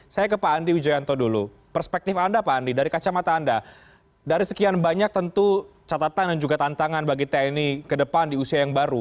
saya ke pak andi wijayanto dulu perspektif anda pak andi dari kacamata anda dari sekian banyak tentu catatan dan juga tantangan bagi tni ke depan di usia yang baru